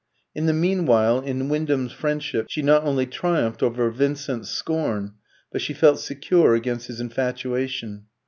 In the meanwhile, in Wyndham's friendship she not only triumphed over Vincent's scorn, but she felt secure against his infatuation.